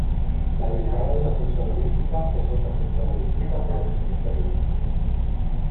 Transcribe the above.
La derivada de una función elíptica es otra función elíptica con los mismos periodos.